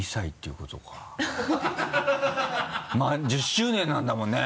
１０周年なんだもんね。